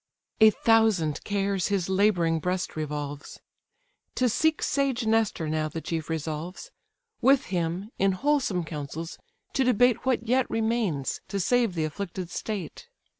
A thousand cares his labouring breast revolves; To seek sage Nestor now the chief resolves, With him, in wholesome counsels, to debate What yet remains to save the afflicted state.